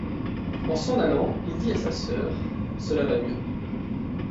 En s’en allant, il dit à la sœur: — Cela va mieux.